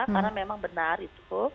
karena memang benar itu